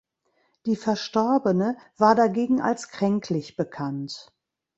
Die Verstorbene war dagegen als kränklich bekannt.